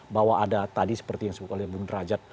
bahwa ada tadi seperti yang sebutkan oleh bumit rajad